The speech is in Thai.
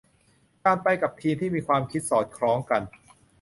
การไปกับทีมที่มีความคิดสอดคล้องกัน